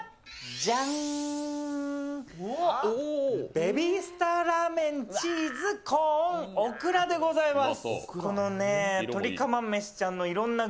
ベビースターラーメン、チーズ、コーン、オクラでございます。